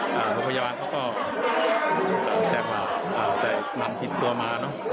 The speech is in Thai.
โรงพยาบาลเขาก็แจกว่าแต่นำผิดตัวมา